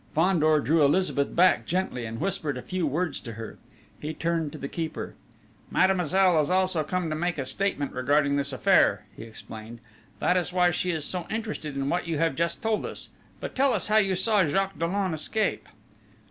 Fandor drew Elizabeth back gently, and whispered a few words to her. He turned to the keeper: "Mademoiselle has also come to make a statement regarding this affair," he explained. "That is why she is so interested in what you have just told us.... But tell us how you saw Jacques Dollon escape!"